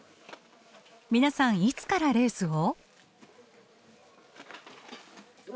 皆さんいつからレースを？